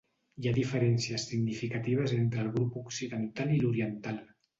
Hi ha diferències significatives entre el grup occidental i l'oriental.